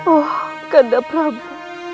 oh kanda prabu